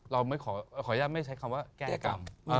ขออนุญาตไม่ใช้คำว่าแก้กรรม